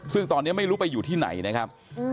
ซึ่งตอนนี้ไม่รู้ไปอยู่ที่ไหนนะครับ